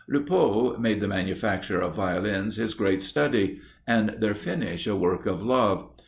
Lupot made the manufacture of Violins his great study, and their finish a work of love.